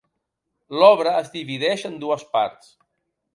L'obra es divideix en dues parts.